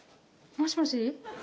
もしもし。